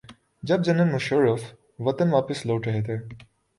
جب جنرل مشرف وطن واپس لوٹ رہے تھے۔